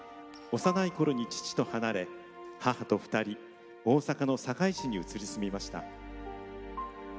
幼いころに父と離れ、母と２人大阪の堺市に移り住みました。